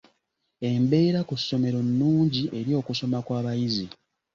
Embeera ku ssomero nnungi eri okusoma kw'abayizi.